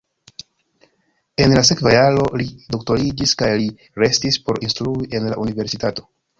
En la sekva jaro li doktoriĝis kaj li restis por instrui en la universitato.